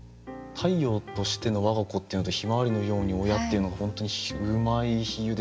「太陽としての我が子」っていうのと「向日葵のように親」っていうのが本当にうまい比喩ですよね。